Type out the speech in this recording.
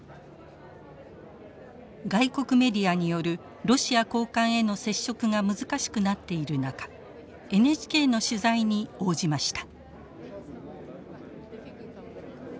外国メディアによるロシア高官への接触が難しくなっている中ＮＨＫの取材に応じました。